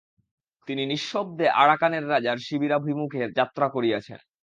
তিনি নিঃশব্দে আরাকানের রাজার শিবিরাভিমুখে যাত্রা করিয়াছেন।